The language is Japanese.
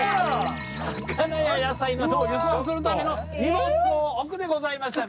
魚や野菜などを輸送するための荷物を置くでございました！